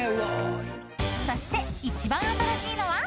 ［そして一番新しいのは］